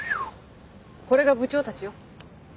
これが部長たちよ。